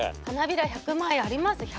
花びら１００枚あります？